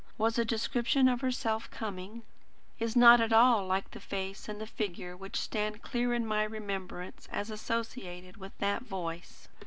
Was a description of herself coming? "is not at all like the face and figure which stand clear in my remembrance as associated with that voice."